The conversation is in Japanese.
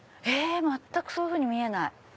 全くそういうふうに見えない。